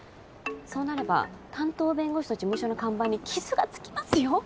そうなれば担当弁護士と事務所の看板に傷がつきますよ！